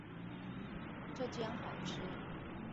這間好吃